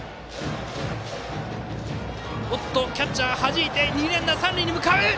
キャッチャー、はじいて二塁ランナー、三塁へ！